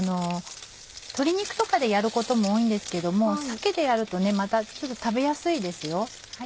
鶏肉とかでやることも多いんですけども鮭でやるとまた食べやすいですよ。